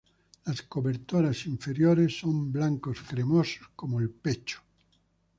Las cobertoras inferiores son blanco cremoso como el pecho.